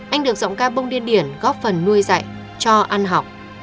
anh được giọng ca bông điên điển góp phần nuôi dạy cho ăn học